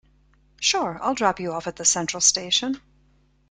Sure, I'll drop you off at the central station.